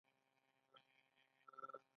غریب ته وږې شپه عادي ده